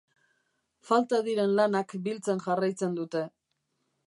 Falta diren lanak biltzen jarraitzen dute.